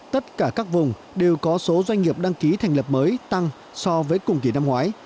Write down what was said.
tất cả các vùng đều có số doanh nghiệp đăng ký thành lập mới tăng so với cùng kỳ năm ngoái